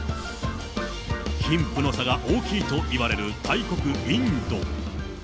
貧富の差が大きいといわれる大国、インド。